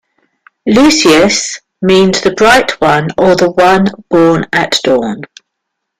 "Lucius" means "the bright one" or "the one born at dawn".